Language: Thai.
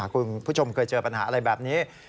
คุณผู้ชมเคยเจอปัญหาอะไรแบบนี้